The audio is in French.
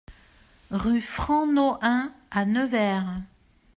Rue Franc Nohain à Nevers